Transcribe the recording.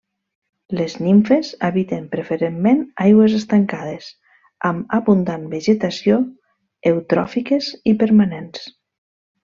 Les nimfes habiten preferentment aigües estancades, amb abundant vegetació, eutròfiques i permanents.